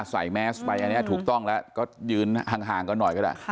อ่าใส่แมสไปอันเนี้ยถูกต้องแล้วก็ยืนห่างห่างกันหน่อยก็ได้ค่ะ